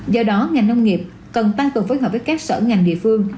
do đó ngành nông nghiệp cần tăng cường phối hợp với các sở ngành địa phương